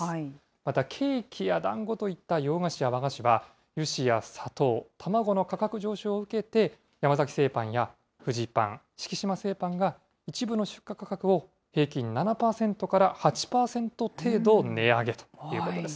またケーキやだんごといった洋菓子や和菓子は、油脂や砂糖、卵の価格上昇を受けて、山崎製パンやフジパン、敷島製パンが、一部の出荷価格を、平均７％から８％程度値上げということです。